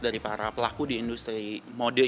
dari para pelaku di industri model